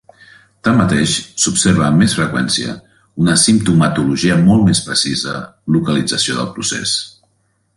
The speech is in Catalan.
Tanmateix, s'observa amb més freqüència una simptomatologia molt més precisa localització del procés.